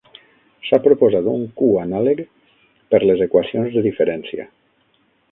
S'ha proposat un q-anàleg per les equacions de diferència.